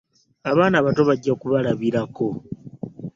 Abaana abato bajja kubalabirako.